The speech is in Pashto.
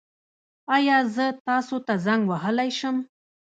ایا زه تاسو ته زنګ وهلی شم؟